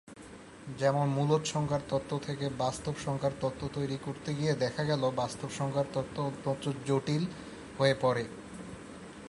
যেমন মূলদ সংখ্যার তত্ত্ব থেকে বাস্তব সংখ্যার তত্ত্ব তৈরি করতে গিয়ে দেখা গেল বাস্তব সংখ্যার তত্ত্ব অত্যন্ত জটিল হয়ে পড়ে।